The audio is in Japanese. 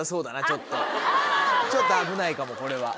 ちょっと危ないかもこれは。